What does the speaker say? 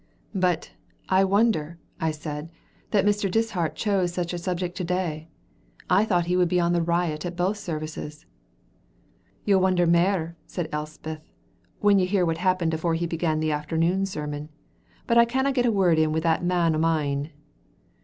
"But, I wonder," I said, "that Mr. Dishart chose such a subject to day. I thought he would be on the riot at both services." "You'll wonder mair," said Elspeth, "when you hear what happened afore he began the afternoon sermon. But I canna get in a word wi' that man o' mine."